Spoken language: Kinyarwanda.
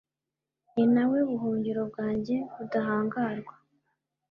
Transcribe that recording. ni na we buhungiro bwanjye budahangarwa